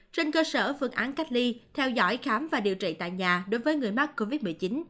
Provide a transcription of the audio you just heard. trên cơ sở phương án cách ly theo dõi khám và điều trị tại nhà đối với người mắc covid một mươi chín